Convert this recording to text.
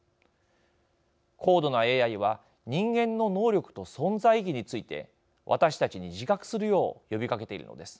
高度なＡＩは人間の能力と存在意義について私たちに自覚するよう呼びかけているのです。